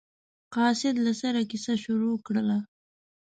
قاصد له سره کیسه شروع کړله.